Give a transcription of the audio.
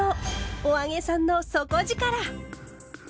「“お揚げさん”の底力！」。